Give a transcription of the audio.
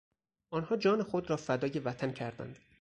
آنها جان خود را فدای وطن کردند.